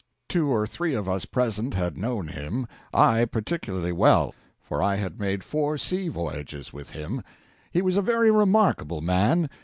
Two or three of us present had known him; I, particularly well, for I had made four sea voyages with him. He was a very remarkable man.